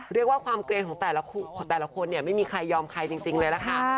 เรียกว่าความเกรงของแต่ละคนเนี่ยไม่มีใครยอมใครจริงเลยล่ะค่ะ